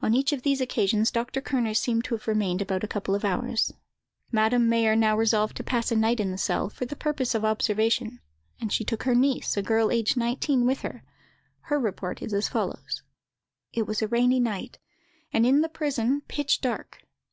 On each of these occasions Dr. Kerner seems to have remained about a couple of hours. Madame Mayer now resolved to pass a night in the cell, for the purpose of observation; and she took her niece, a girl aged nineteen, with her: her report is as follows:— "It was a rainy night, and, in the prison, pitch dark.